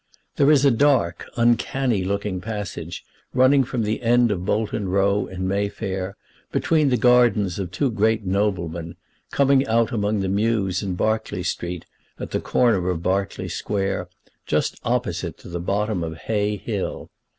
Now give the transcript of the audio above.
There is a dark, uncanny looking passage running from the end of Bolton Row, in May Fair, between the gardens of two great noblemen, coming out among the mews in Berkeley Street, at the corner of Berkeley Square, just opposite to the bottom of Hay Hill.